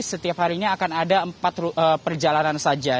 setiap harinya akan ada empat perjalanan saja